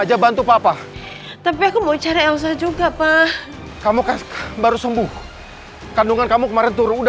aja bantu papa tapi aku mau cari elsa juga pak kamu kasih baru sembuh kandungan kamu kemarin turun udah